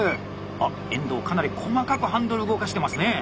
あっ遠藤かなり細かくハンドルを動かしてますね。